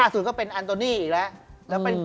ล่าสุดก็เป็นอัลตรนี่อีกแล้ว